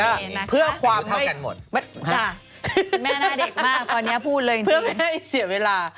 แม่หน้าเด็กมากมานี้พูดเลยจริงเผื่อป่งให้เสียเวลา